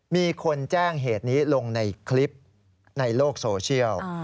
มีคนแจ้งเหตุนี้ลงในคลิปในโลกโซเชียล